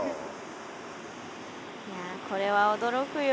いやこれは驚くよ。